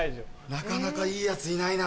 なかなかいいヤツいないな。